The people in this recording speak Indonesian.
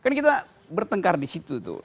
kan kita bertengkar di situ tuh